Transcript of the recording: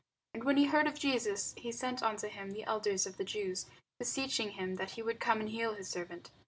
And when he heard of Jesus, he sent unto him the elders of the Jews, beseeching him that he would come and heal his servant.